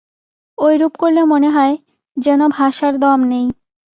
ঐরূপ করলে মনে হয়, যেন ভাষার দম নেই।